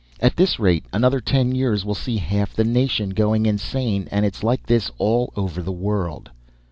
At this rate, another ten years will see half the nation going insane. And it's like this all over the world.